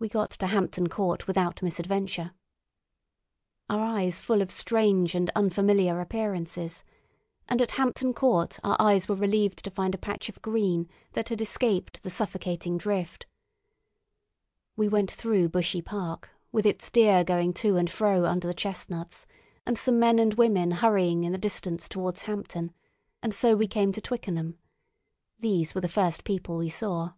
We got to Hampton Court without misadventure, our minds full of strange and unfamiliar appearances, and at Hampton Court our eyes were relieved to find a patch of green that had escaped the suffocating drift. We went through Bushey Park, with its deer going to and fro under the chestnuts, and some men and women hurrying in the distance towards Hampton, and so we came to Twickenham. These were the first people we saw.